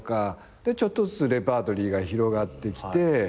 でちょっとずつレパートリーが広がってきて。